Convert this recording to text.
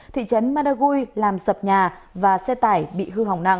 thị trấn madagui làm sập nhà và xe tải bị hư hỏng nặng